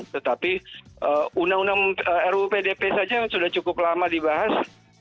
tetapi undang undang ruu pdp saja sudah cukup lama dibahas